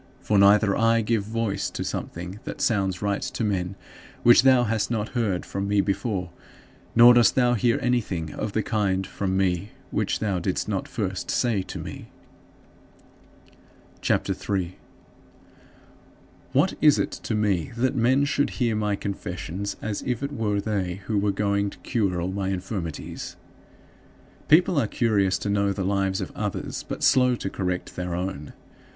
For neither do I give voice to something that sounds right to men, which thou hast not heard from me before, nor dost thou hear anything of the kind from me which thou didst not first say to me. CHAPTER III 3. What is it to me that men should hear my confessions as if it were they who were going to cure all my infirmities? People are curious to know the lives of others, but slow to correct their own.